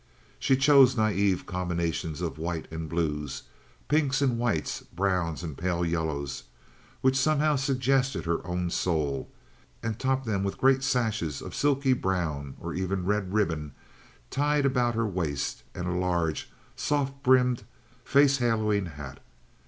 She chose naive combinations of white and blues, pinks and white, browns and pale yellows, which somehow suggested her own soul, and topped them with great sashes of silky brown (or even red) ribbon tied about her waist, and large, soft brimmed, face haloing hats.